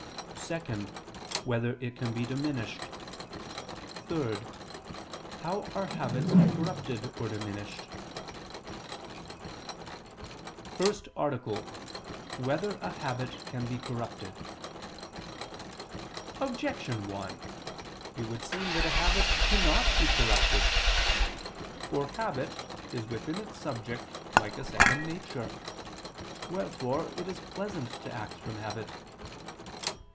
(2) Whether it can be diminished? (3) How are habits corrupted or diminished? ________________________ FIRST ARTICLE [I II, Q. 53, Art. 1] Whether a Habit Can Be Corrupted? Objection 1: It would seem that a habit cannot be corrupted. For habit is within its subject like a second nature; wherefore it is pleasant to act from habit.